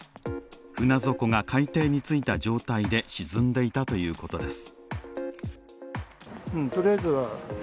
船底が海底についた状態で沈んでいたということです。